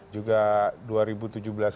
juga dua ribu tujuh belas